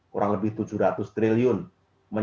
kurang lebih tujuh ratus triliun